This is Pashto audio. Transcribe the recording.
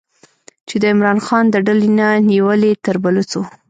چې د عمران خان د ډلې نه نیولې تر بلوڅو